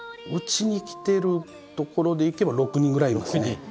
うちに来てるところでいけば６人ぐらいいますね。